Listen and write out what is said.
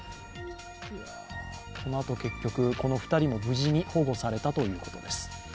このあと結局、この２人も無事に保護されたということです。